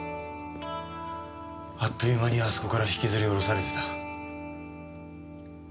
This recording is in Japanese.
あっという間にあそこから引きずりおろされてた。